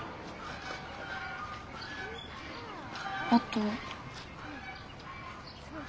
あと。